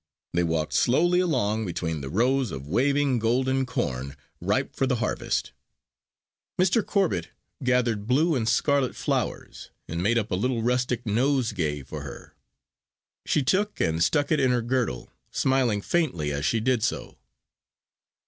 They walked slowly along between the rows of waving golden corn ripe for the harvest. Mr. Corbet gathered blue and scarlet flowers, and made up a little rustic nosegay for her. She took and stuck it in her girdle, smiling faintly as she did so.